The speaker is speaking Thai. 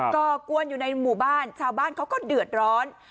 ก่อกวนอยู่ในหมู่บ้านชาวบ้านเขาก็เดือดร้อน